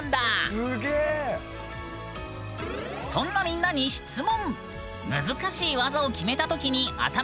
そんなみんなに質問。